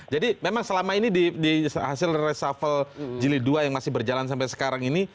jadi memang selama ini di hasil resapel jilid dua yang masih berjalan sampai sekarang ini